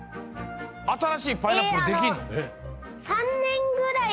あたらしいパイナップルできんの？